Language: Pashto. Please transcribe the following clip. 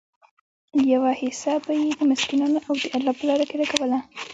يوه حيصه به ئي د مسکينانو او د الله په لاره لګوله